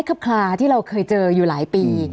ครับคลาที่เราเคยเจออยู่หลายปี